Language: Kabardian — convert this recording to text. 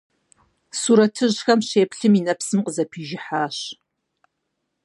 Сурэтыжьхэм щеплъым и нэпсым къызэпижыхьащ.